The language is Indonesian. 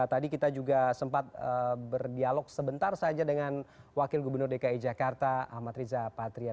tadi kita juga sempat berdialog sebentar saja dengan wakil gubernur dki jakarta ahmad riza patria